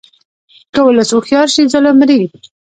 که ولس هوښیار شي، ظلم مري.